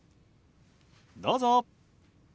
どうぞ。